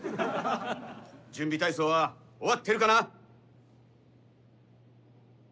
準備体操は終わってるかな？